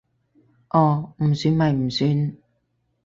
哦，唔算咪唔算